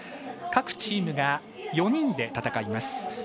各チームが４人で戦います。